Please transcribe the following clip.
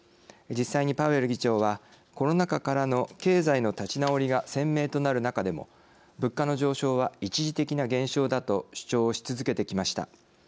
実際にパウエル議長はコロナ禍からの経済の立ち直りが鮮明となる中でも物価の上昇は一時的な現象だと主張し続けてきました。